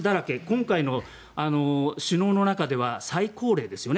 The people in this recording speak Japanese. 今回の首脳の中では最高齢ですよね。